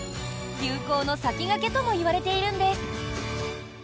流行の先駆けともいわれているんです。